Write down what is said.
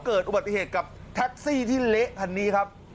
เกิดอุบัติเหตุกับแท็กซี่ที่เละคันนี้ครับ